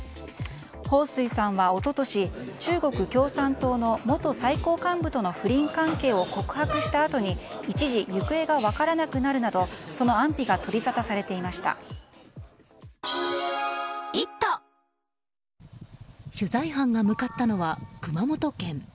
ホウ・スイさんは一昨年中国共産党の元最高幹部との不倫関係を告白したあとに一時行方が分からなくなるなどその安否が取材班が向かったのは熊本県。